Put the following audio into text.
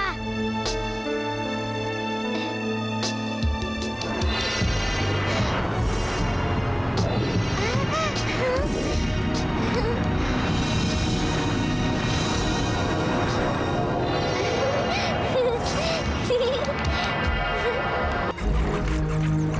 terima kasih kejora